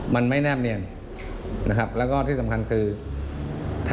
มันมีข้อภัยรุด